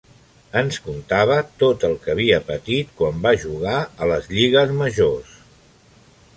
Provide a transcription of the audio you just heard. Ens contava tot el que havia patit quan va jugar a les Lligues Majors.